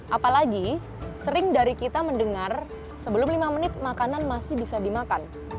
apalagi sering dari kita mendengar sebelum lima menit makanan masih bisa dimakan